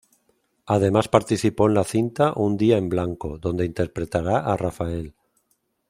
Además participó en la cinta "Un día en blanco" donde interpretará a Rafael.